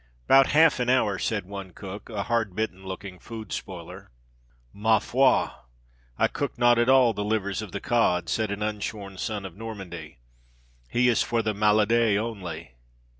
"'Bout half an hour," said one cook, a "hard bitten" looking food spoiler. "Ma foi! I cook not at all the liver of the cod," said an unshorn son of Normandy. "He is for the malade only."